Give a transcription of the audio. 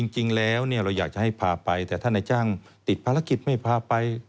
จริงแล้วเราอยากจะให้พาไปแต่ถ้านายจ้างติดภารกิจไม่พาไป